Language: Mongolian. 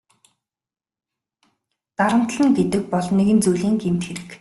Дарамтална гэдэг бол нэгэн зүйлийн гэмт хэрэг.